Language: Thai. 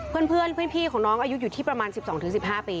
เพื่อนพี่ของน้องอายุอยู่ที่ประมาณ๑๒๑๕ปี